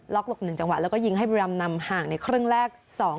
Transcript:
ล็อกลก๑จังหวะแล้วก็ยิงให้บุริยามนำห่างในครึ่งแรก๒๐